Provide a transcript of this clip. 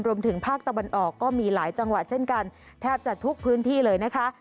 รวมถึงภาคตะวันออกก็มีหลายจังหวัดเช่นกันแทบจะทุกพื้นที่เลยนะคะ